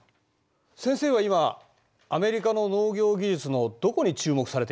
先生は今アメリカの農業技術のどこに注目されていますか？